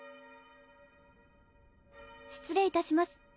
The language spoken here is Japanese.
失礼いたします。